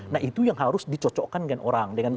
nah itu yang harus dicocokkan dengan orang